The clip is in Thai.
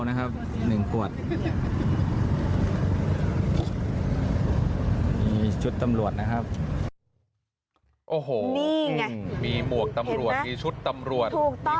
ใช่และนี่ที่วงอยู่นี่คืออะไร